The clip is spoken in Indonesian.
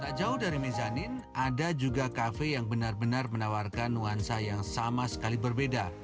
tak jauh dari mezanin ada juga kafe yang benar benar menawarkan nuansa yang sama sekali berbeda